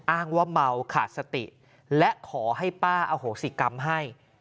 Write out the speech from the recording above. อ้างว่าเมาขาดสติและขอให้ป้าอโหสิกรรมให้